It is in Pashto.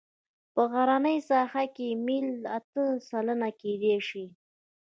په غرنۍ ساحه کې میل اته سلنه کیدی شي